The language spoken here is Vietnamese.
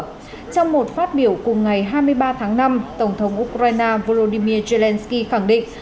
trong một phát biểu cùng ngày hai mươi ba tháng năm tổng thống ukraine volodymyr zelensky khẳng định